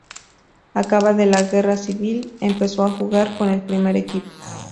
Acabada la Guerra Civil empezó a jugar con el primer equipo.